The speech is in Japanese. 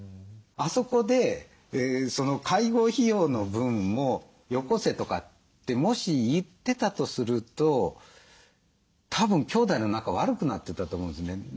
あそこで「介護費用の分もよこせ」とかってもし言ってたとするとたぶん兄弟の仲悪くなってたと思うんですよね。